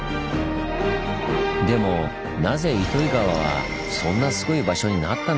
でもなぜ糸魚川はそんなすごい場所になったのか？